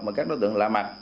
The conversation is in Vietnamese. mà các đối tượng lạ mặt